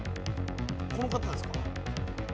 この方ですか？